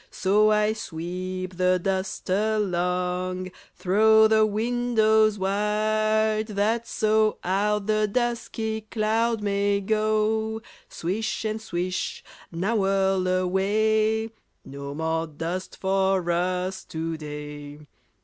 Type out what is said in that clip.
So I sweep the dust along. Throw the windows wide, that so Out the dusky cloud may go. Swish, and swish! now whirl away! No more dust for us to day!